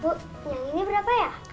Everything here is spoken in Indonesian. bu yang ini berapa ya